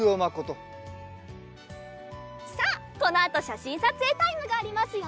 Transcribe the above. さあこのあとしゃしんさつえいタイムがありますよ！